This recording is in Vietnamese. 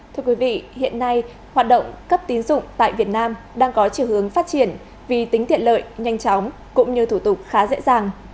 thưa quý vị hiện nay hoạt động cấp tín dụng tại việt nam đang có chiều hướng phát triển vì tính tiện lợi nhanh chóng cũng như thủ tục khá dễ dàng